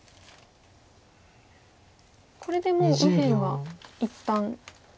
これでもう右辺は一旦。